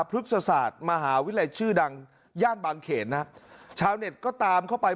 พฤกษศาสตร์มหาวิทยาลัยชื่อดังย่านบางเขนฮะชาวเน็ตก็ตามเข้าไป